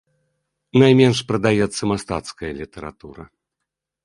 Найменш прадаецца мастацкая літаратура.